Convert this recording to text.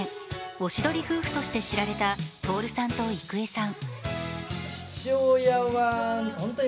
おしどり夫婦として知られた徹さんと郁恵さん。